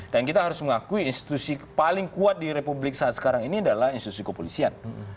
dan kita harus mengakui institusi paling kuat di republik saat sekarang ini adalah institusi kepolisian